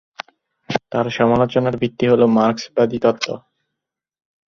তার সমালোচনার ভিত্তি হল মার্কসবাদী তত্ত্ব।